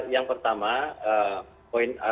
yang pertama poin poinnya